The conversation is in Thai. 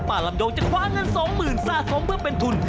ป้าลำโยงจะขวานเงิน๒๐๐๐๐ซ่าสมเพื่อเป็นทุน